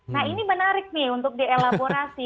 nah ini menarik nih untuk dielaborasi